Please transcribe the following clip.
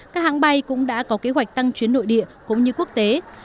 các hãng bay cũng đã có kế hoạch tăng chuyến nội địa cũng như quốc tế